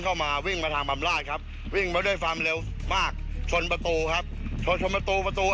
ได้ทำการปิดประตูแล้วครับ